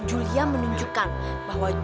julia menunjukkan bahwa